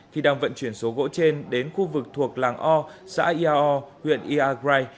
khi đang vận chuyển số gỗ trên đến khu vực thuộc làng o xã eao huyện eagrai